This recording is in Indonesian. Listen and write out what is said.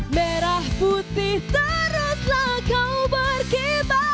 merah putih teruslah kau berkibar